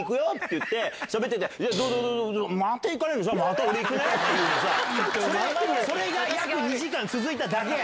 って、それが約２時間続いただけ。